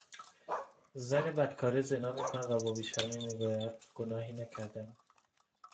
زن بدکاره زنا میکند و با بیشرمی میگوید گناهی نکردهام